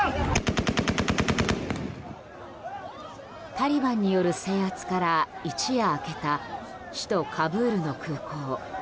タリバンによる制圧から一夜明けた首都カブールの空港。